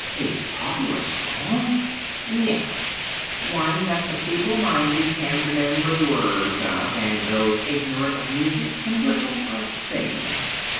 "A popular song?" "Yes. One that the feeble minded can remember the words of and those ignorant of music can whistle or sing.